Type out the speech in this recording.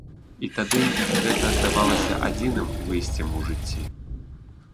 І тады гэта здавалася адзіным выйсцем у жыцці.